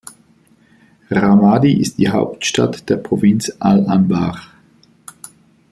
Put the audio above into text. Ramadi ist die Hauptstadt der Provinz al-Anbar.